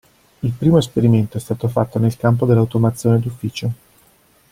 Il primo esperimento è stato fatto nel campo dell'automazione d'ufficio.